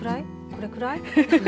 これくらい。